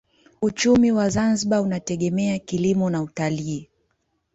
Uchumi wa Zanzibar unategemea kilimo na utalii.